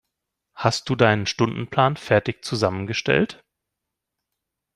Hast du deinen Stundenplan fertig zusammengestellt?